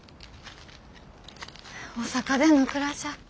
大阪での暮らしゃあ